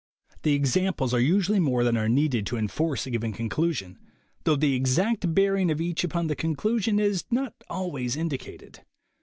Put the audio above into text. The examples are usually more than are needed to en force a given conclusion, though the exact bearing of each upon the conclusion is not always indicated.